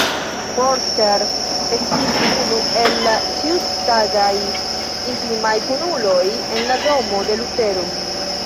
Forster estis unu el la ĉiutagaj intimaj kunuloj en la domo de Lutero.